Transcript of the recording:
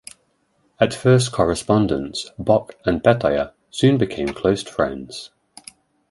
At first correspondents, Bok and Petaja soon became close friends.